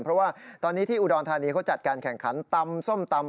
เพราะว่าตอนนี้ที่อุดรธานีเขาจัดการแข่งขันตำส้มตำ